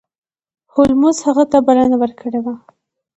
هولمز هغه ته بلنه ورکړې وه.